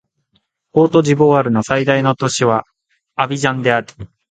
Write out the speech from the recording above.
コートジボワールの最大都市はアビジャンである